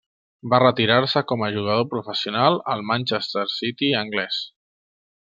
Va retirar-se com a jugador professional al Manchester City anglès.